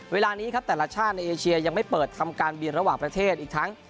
เวลานี้ครับแต่ละชาติในเอเชียยังไม่เปิดทำการบินระหว่างประเทศอีกทั้ง